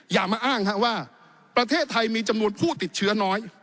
อย่ามาอ้างว่าประเทศไทยมีจำนวนผู้ติดเชื้อน้อย